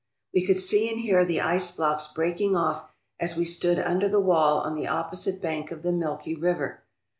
We could see and hear the ice blocks breaking off as we stood under the wall on the opposite bank of the , milky river.